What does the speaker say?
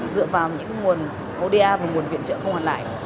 dựa vào những nguồn oda và nguồn viện trợ không hoàn lại